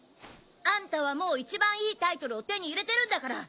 あんたはもう一番いいタイトルを手に入れてるんだから！